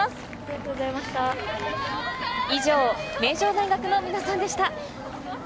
以上、名城大学の皆さんでした。